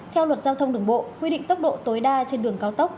theo luật giao thông đường bộ quy định tốc độ tối đa trên đường cao tốc